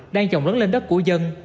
đang trồng rớn lên đất của dân